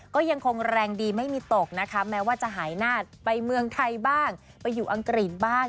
ก็ยังคงแรงดีไม่มีตกนะคะแม้ว่าจะหายหน้าไปเมืองไทยบ้างไปอยู่อังกฤษบ้าง